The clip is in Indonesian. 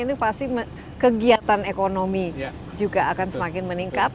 ini pasti kegiatan ekonomi juga akan semakin meningkat